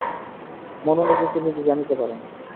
মনও নিজেকে নিজে জানিতে পারে না।